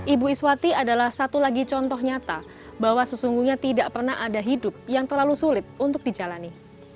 ibu iswati adalah satu lagi contoh nyata bahwa sesungguhnya tidak pernah ada hidup yang terlalu sulit untuk dijalani